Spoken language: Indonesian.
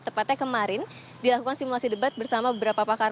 tepatnya kemarin dilakukan simulasi debat bersama beberapa pakar